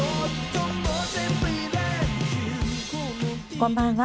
こんばんは。